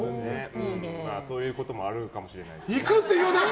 そういうこともあるかもしれない。